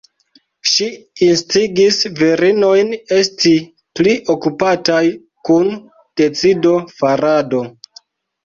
Ŝi instigis virinojn esti pli okupataj kun decido-farado.